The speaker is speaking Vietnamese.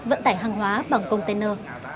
vận tải hàng hóa bằng container